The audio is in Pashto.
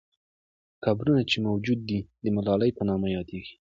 قبرونه چې موجود دي، د ملالۍ په نامه یادیږي.